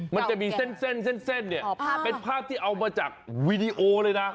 มันจะมีเส้นเนี่ยเป็นภาพที่เอามาจากวีดีโอเลยนะ